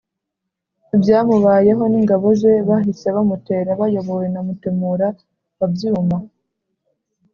ibyamubayeho n’ ingabo ze, bahise bamutera bayobowe na Mutemura wa Byuma.